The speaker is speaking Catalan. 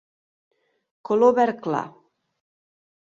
Color verd clar.